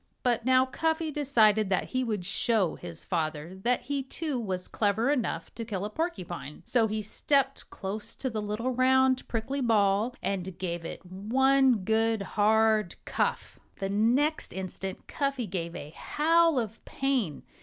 But now Cuffy decided that he would show his father that he too was clever enough to kill a porcupine. So he stepped close to the little round, prickly ball and gave it one good, hard cuff. The next instant Cuffy gave a howl of pain.